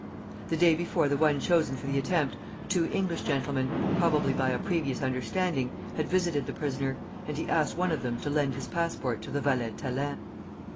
The day before the one chosen for the attempt, two English gentlemen, probably by a previous understanding, had visited the prisoner, and he asked one of them to lend his passport to the valet Thélin.